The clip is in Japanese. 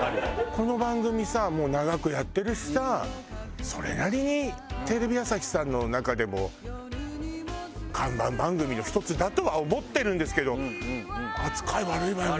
この番組さもう長くやってるしさそれなりにテレビ朝日さんの中でも看板番組の１つだとは思ってるんですけど扱い悪いわよね。